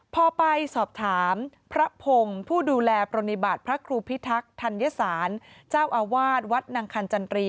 พอไปสอบถามพระพงศ์ผู้ดูแลปรณิบัติพระครูพิทักษ์ธัญศาลเจ้าอาวาสวัดนางคันจันตรี